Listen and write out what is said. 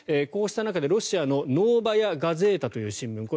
こうした中でロシアのノーバヤ・ガゼータという新聞。